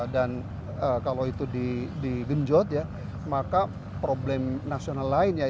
dan kalau itu digenjot ya maka problem nasional lain